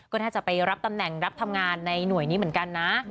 ก็น่าจะไปรับตำแหน่งรับทำงานในหน่วยนี้เหมือนกันนะ